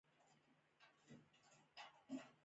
خلک اسرار او اصرار کلمې سمې نشي ویلای.